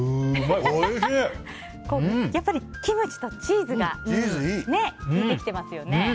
やっぱりキムチとチーズが効いてますよね。